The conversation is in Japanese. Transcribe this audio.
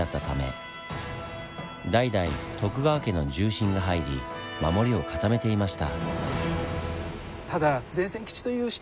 代々徳川家の重臣が入り守りを固めていました。